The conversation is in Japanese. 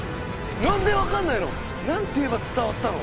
「なんでわからないの？なんて言えば伝わったの？」